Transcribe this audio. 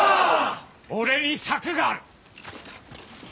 俺に策がある。